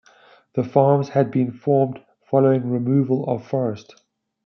The farms had been formed following removal of forest.